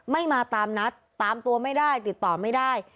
มาตามนัดตามตัวไม่ได้ติดต่อไม่ได้